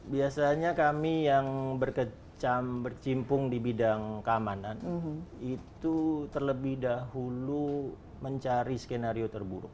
biasanya kami yang berkecam bercimpung di bidang keamanan itu terlebih dahulu mencari skenario terburuk